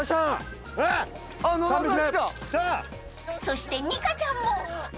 ［そしてニカちゃんも］